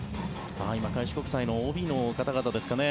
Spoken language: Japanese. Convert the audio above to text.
今、開志国際のＯＢの方々ですかね。